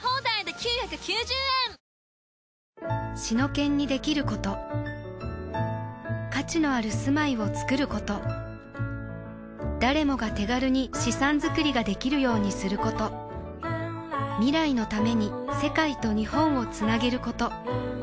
シノケンにできること価値のある住まいをつくること誰もが手軽に資産づくりができるようにすること未来のために世界と日本をつなげること